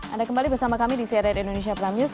anda kembali bersama kami di cnn indonesia prime news